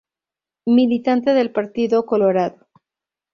Militante del Partido Colorado.